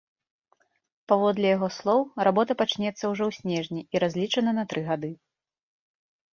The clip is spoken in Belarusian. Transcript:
Паводле яго слоў, работа пачнецца ўжо ў снежні і разлічана на тры гады.